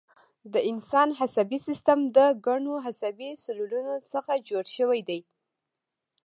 د انسان عصبي سیستم د ګڼو عصبي سلولونو څخه جوړ دی